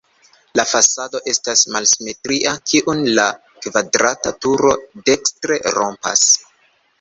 La fasado estas malsimetria, kiun la kvadrata turo dekstre rompas.